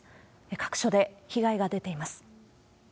各所で被害が出ています。